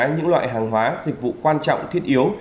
những loại hàng hóa dịch vụ quan trọng thiết yếu